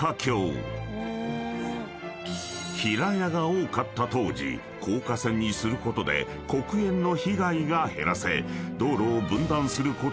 ［平屋が多かった当時高架線にすることで黒煙の被害が減らせ道路を分断することもなく